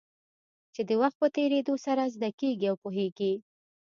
چې د وخت په تېرېدو سره زده کېږي او پوهېږې.